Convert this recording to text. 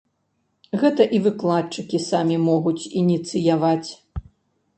Гэта і выкладчыкі самі могуць ініцыяваць.